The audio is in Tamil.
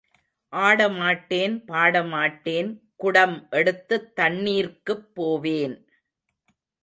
ஆட மாட்டேன், பாட மாட்டேன், குடம் எடுத்துத் தண்ணீர்க்குப் போவேன்.